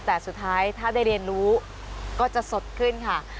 แต่สุดท้ายถ้าได้เรียนรู้ก็จะสดขึ้นค่ะ